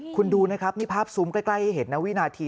คุณดูนะครับนี่ภาพซุ้มใกล้ให้เห็นนะวินาที